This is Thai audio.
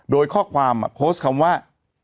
โดยข้อความโพสต์คำว่า